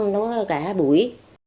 nó cả bụi